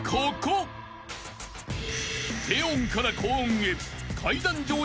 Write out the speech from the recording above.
［低音から高音へ］